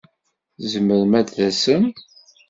Tzemrem ad tasem?